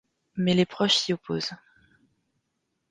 Mais les proches s'y opposent.